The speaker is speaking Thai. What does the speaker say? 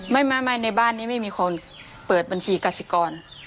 ไม่ในบ้านนี้ไม่มีคนเปิดบัญชีกสิกร